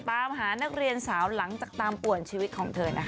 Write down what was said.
ตามหานักเรียนสาวหลังจากตามป่วนชีวิตของเธอนะคะ